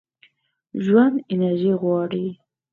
ژوند انرژي غواړي.